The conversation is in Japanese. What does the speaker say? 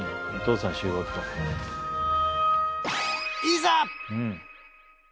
いざ！